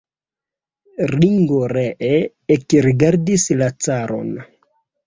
Ringo ree ekrigardis la caron.